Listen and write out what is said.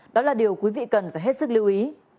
đó là điều quý vị cần phải hết sức lưu ý